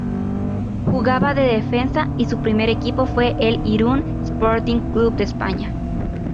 Jugaba de defensa y su primer equipo fue el Irún Sporting Club de España.